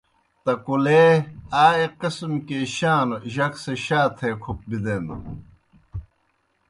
تَکُلے آ ایْک قسم کے شا نوْ، جک سہ شا تھے بِدینَن۔